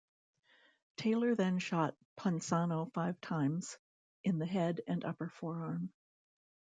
Taylor then shot Ponsano five times, in the head and upper forearm.